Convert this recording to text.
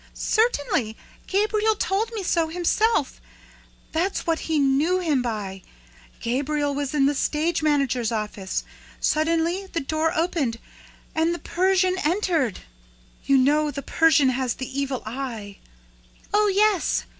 "Certainly! Gabriel told me so himself. That's what he knew him by. Gabriel was in the stage manager's office. Suddenly the door opened and the Persian entered. You know the Persian has the evil eye " "Oh, yes!"